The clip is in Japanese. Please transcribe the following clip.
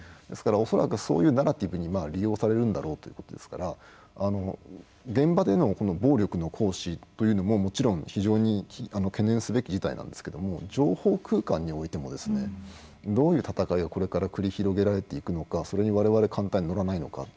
ですから恐らくそういうナラティブに利用されるんだろうということですから現場での暴力の行使というのももちろん非常に懸念すべき事態なんですけども情報空間においてもですねどういう戦いがこれから繰り広げられていくのかそれに我々簡単に乗らないのか。